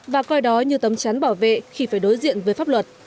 và coi đó như tấm chắn bảo vệ khi phải đối diện với pháp luật